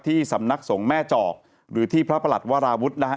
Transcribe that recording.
สำนักสงฆ์แม่จอกหรือที่พระประหลัดวราวุฒินะฮะ